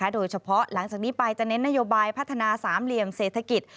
โดยเฉพาะหลังจากนี้ไปจะเน้นนโยบายพัฒนาสามเหลี่ยมเศรษฐกิจ